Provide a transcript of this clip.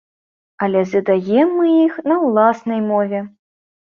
Але задаем мы іх на ўласнай мове.